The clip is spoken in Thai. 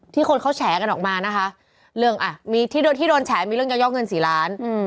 ที่คนเขาแฉกันออกมานะคะเรื่องอ่ะมีที่โดนแฉมีเรื่องย่อเงินสี่ล้านอืม